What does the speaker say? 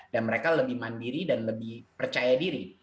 mereka lebih mandiri dan lebih percaya diri